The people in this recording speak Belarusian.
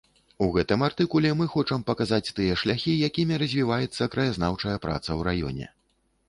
У гэтым артыкуле мы хочам паказаць тыя шляхі, якімі развіваецца краязнаўчая праца ў раёне.